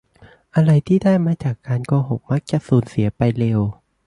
อะไรที่ได้มาจากการโกหกมักจะสูญเสียไปเร็ว